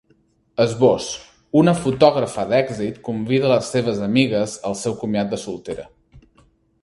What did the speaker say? Esbós: Una fotògrafa d’èxit convida les seves amigues al seu comiat de soltera.